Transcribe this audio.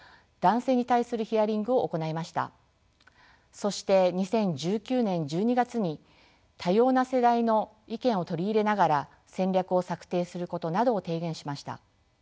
そして２０１９年１２月に多様な世代の意見を取り入れながら戦略を策定することなどを提言しました。